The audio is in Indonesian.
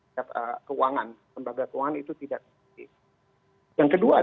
tapi zum goals kita datang dari deskripsi agrokonomi